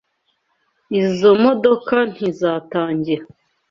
Izoi modoka ntizatangira.